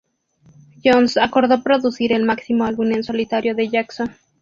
Jones acordó producir el próximo álbum en solitario de Jackson.